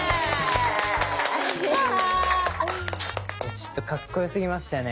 ちょっとカッコよすぎましたね。